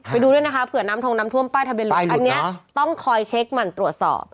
ไปดูด้วยนะคะเผื่อน้ำทงน้ำท่วมป้ายทะเบียนหลุดอันนี้ต้องคอยเช็คหมั่นตรวจสอบ